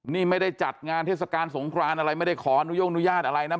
นี่ไม่ได้จัดงานเทศกาลสงครานอะไรไม่ได้ขออนุญาตอะไรนะ